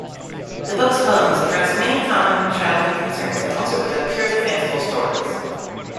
The book's poems address many common childhood concerns and also present purely fanciful stories.